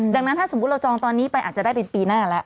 ดังนั้นถ้าสมมุติเราจองตอนนี้ไปอาจจะได้เป็นปีหน้าแล้ว